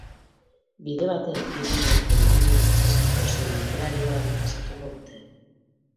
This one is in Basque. Bide batez, bi gonbidatuen ibilbide artistiko zein literarioa errepasatuko dute.